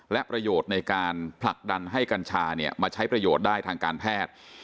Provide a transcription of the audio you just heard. และประโยชน์ในการผลักดันให้กัญชามาใช้ประโยชน์ได้ทางการแพทย์